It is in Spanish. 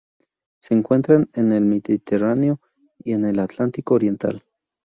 Se encuentran en el Mediterráneo y en el Atlántico oriental.